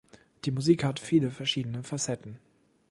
Die Musik hat viele verschiedene Facetten.